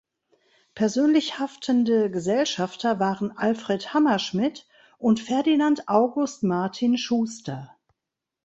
Persönlich haftende Gesellschafter waren Alfred Hammerschmidt und Ferdinand August Martin Schuster.